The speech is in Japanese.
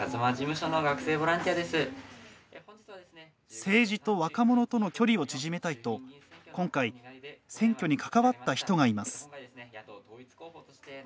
政治と若者との距離を縮めたいと今回、選挙に関わった人がいます。